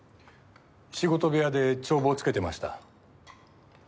仕事部屋で帳簿をつけてました。